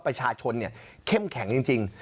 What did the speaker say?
ประชาชนเนี่ยเข้มแข็งจริง